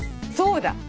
そうだ。